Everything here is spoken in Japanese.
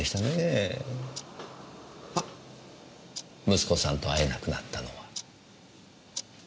息子さんと会えなくなったのは。